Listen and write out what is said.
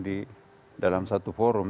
di dalam satu forum